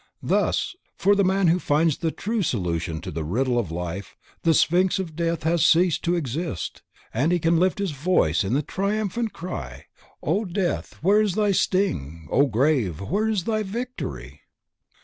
Thus, for the man who finds the true solution to the riddle of life, the sphinx of death has ceased to exist, and he can lift his voice in the triumphant cry "Oh death where is thy sting, oh grave where is thy victory."